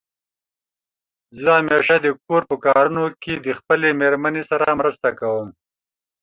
زه همېشه دکور په کارونو کې د خپلې مېرمنې سره مرسته کوم.